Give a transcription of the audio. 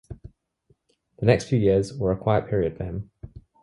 The next few years were a quiet period for him.